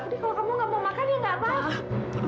ini kalau kamu gak mau makan ya nggak apa apa